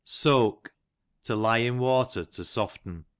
Soke, to lie in water to soften.